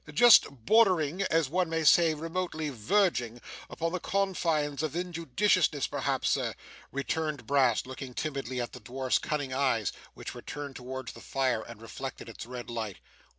'Just bordering, or as one may say remotely verging, upon the confines of injudiciousness perhaps, Sir,' returned Brass, looking timidly at the dwarf's cunning eyes, which were turned towards the fire and reflected its red light.